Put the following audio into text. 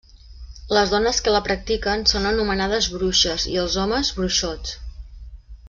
Les dones que la practiquen són anomenades bruixes, i els homes, bruixots.